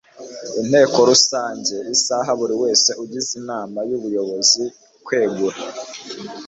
inteko rusange isaba buri wese ugize inama y'ubuyobozi kwegura